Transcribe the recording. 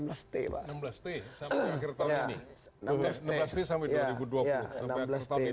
enam belas t sampai akhir tahun ini enam belas t sampai dua ribu dua puluh